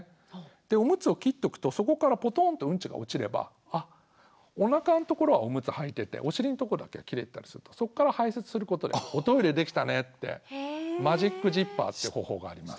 でオムツを切っとくとそこからポトンとうんちが落ちればあおなかのところはオムツはいててお尻のところだけは切れてたりするとそっから排泄することで「おトイレできたね」ってマジックジッパーっていう方法があります。